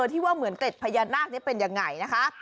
ที่ว่าเหมือนเกร็ดพญานาคนี้เป็นยังไงนะคะ